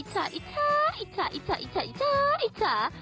อิชาอิชาอิชาอิชาอิชาอิชาอิชา